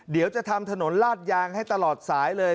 เดี๋ยวจะทำถนนลาดยางให้ตลอดสายเลย